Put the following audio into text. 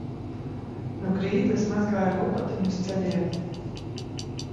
Nu grīdu es mazgāju ar lupatiņu uz ceļiem.